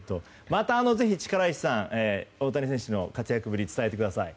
またぜひ、力石さん大谷選手の活躍を伝えてください。